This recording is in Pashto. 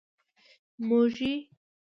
موږي.